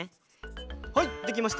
はいできました！